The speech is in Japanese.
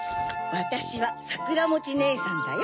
わたしはさくらもちねえさんだよ。